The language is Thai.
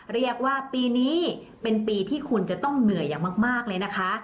เรียกว่าปีนี้เป็นปีที่คุณจะต้องเหนื่อยอย่างมากเลยนะคะ